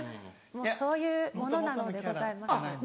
そういうものなのでございます。